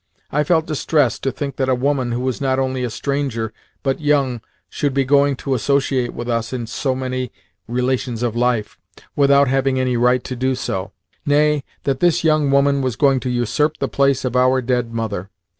I felt distressed to think that a woman who was not only a stranger but young should be going to associate with us in so many relations of life, without having any right to do so nay, that this young woman was going to usurp the place of our dead mother.